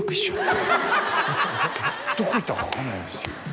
「どこいったか分かんないんですよ」。